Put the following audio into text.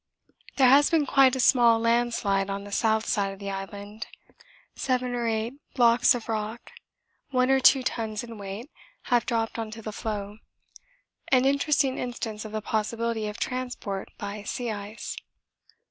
There has been quite a small landslide on the S. side of the Island; seven or eight blocks of rock, one or two tons in weight, have dropped on to the floe, an interesting instance of the possibility of transport by sea ice.